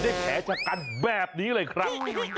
ได้แถวจากกันแบบนี้เลยครับ